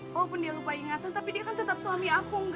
walaupun dia lupa ingatan tapi dia kan tetap suami aku